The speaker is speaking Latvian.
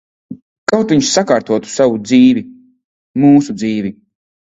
Kaut viņš sakārtotu savu dzīvi. Mūsu dzīvi.